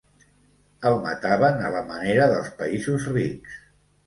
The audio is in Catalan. El mataven a la manera dels països rics.